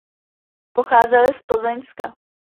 Pocházeli z Plzeňska.